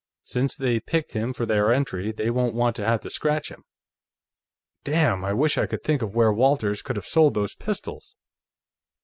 Since they picked him for their entry, they won't want to have to scratch him.... Damn, I wish I could think of where Walters could have sold those pistols!"